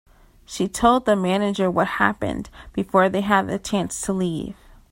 She told the manager what happened before they had a chance to leave.